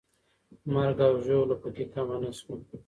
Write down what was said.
مرګ او ژوبله پکې کمه نه سوه.